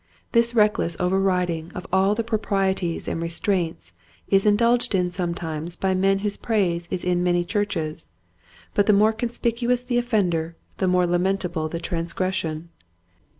This reckless overriding of all the proprieties and restraints is indulged in sometimes by men whose praise is in many churches, but the mxore conspicuous the offender the more lamentable the trans gression.